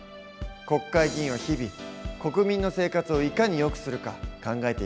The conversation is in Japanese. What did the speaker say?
国会議員は日々国民の生活をいかに良くするか考えているんだね。